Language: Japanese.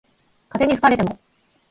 風に吹かれても